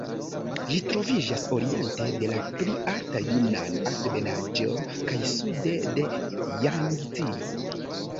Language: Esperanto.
Ĝi troviĝas oriente de la pli alta Junan-Altebenaĵo kaj sude de Jangzio.